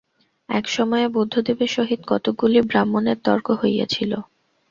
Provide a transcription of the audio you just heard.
এক সময়ে বুদ্ধদেবের সহিত কতকগুলি ব্রাহ্মণের তর্ক হইয়াছিল।